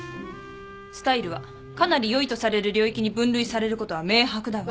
スタイルはかなり良いとされる領域に分類されることは明白だわ。